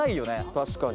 「確かに。